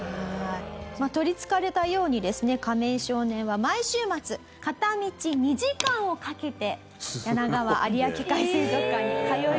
とりつかれたようにですねカメイ少年は毎週末片道２時間をかけてやながわ有明海水族館に通い詰めます。